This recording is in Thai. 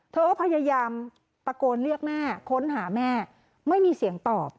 เธอก็พยายามตะโกนเรียกแม่ค้นหาแม่ไม่มีเสียงตอบ